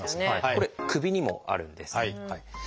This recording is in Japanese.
これ首にもあるんです。